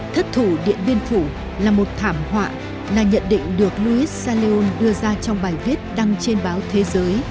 thất thủ điện biên phủ là một thảm họa là nhận định được louis salleon đưa ra trong bài viết đăng trên báo thế giới